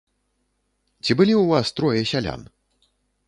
Ці былі ў вас трое сялян?